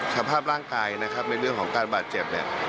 สภาพร่างกายนะครับในเรื่องของการบาดเจ็บเนี่ย